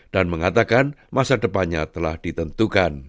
dan mengatakan masa depannya telah ditentukan